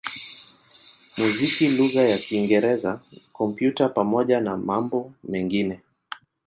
muziki lugha ya Kiingereza, Kompyuta pamoja na mambo mengine.